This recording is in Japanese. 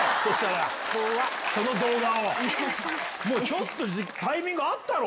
ちょっとタイミングあったろ！